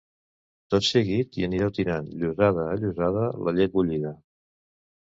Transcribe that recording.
Tot seguit hi anireu tirant llossada a llossada la llet bullida